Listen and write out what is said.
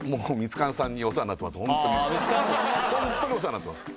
本当にお世話になってます